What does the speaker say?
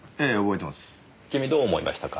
君どう思いましたか？